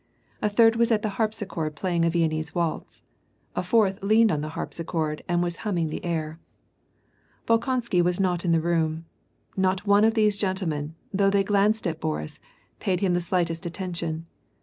A third was at the harpsichord playing a Viennese waltz \ a fourth leaned on the harpsichord and was hamming the air. Bolkonsky was not in the room. Not one of these gentle men, though they glanced at Boris, paid him the slightest at tention.